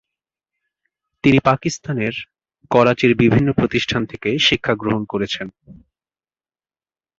তিনি পাকিস্তানের করাচির বিভিন্ন প্রতিষ্ঠান থেকে শিক্ষা গ্রহণ করেছেন।